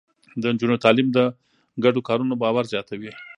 د نجونو تعليم د ګډو کارونو باور زياتوي.